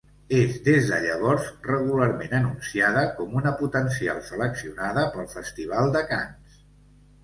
És des de llavors regularment anunciada com una potencial seleccionada pel festival de Canes.